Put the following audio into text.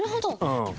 うん。